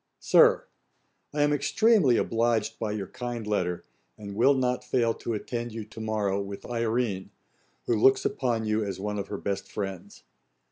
] 'SIR, 'I am extremely obliged by your kind letter, and will not fail to attend you to morrow with Irene, who looks upon you as one of her best friends.